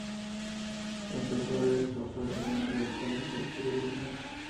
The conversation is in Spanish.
Empezó Derecho, para terminar dedicándose al periodismo.